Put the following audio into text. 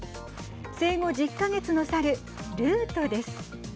生後１０か月の猿ルートです。